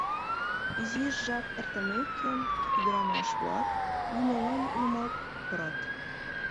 Изиш жап эртымеке, ӱдырамаш-влак юмоҥам нумал пурат.